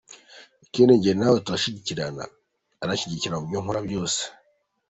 Ikindi njye na we turashyigikirana, aranshyigikira mu byo nkora byose.